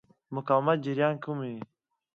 مقاومت جریان کموي.